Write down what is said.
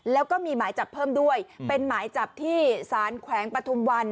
แล้วก็มีหมายจับเพิ่มด้วยเป็นหมายจับที่สารแขวงปฐุมวัน